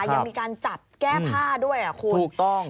ยังมีการจับแก้ผ้าด้วยอ่ะคุณถูกต้อง